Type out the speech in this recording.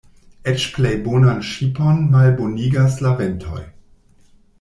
Eĉ plej bonan ŝipon malbonigas la ventoj.